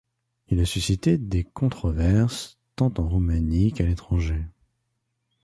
Il a suscité des controverses tant en Roumanie qu’à l’étranger.